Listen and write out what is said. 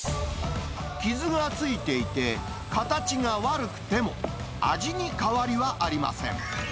傷がついていて、形が悪くても、味に変わりはありません。